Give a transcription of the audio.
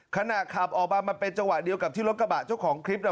ขณะขับออกมามันเป็นจังหวะเดียวกับที่รถกระบะเจ้าของคลิป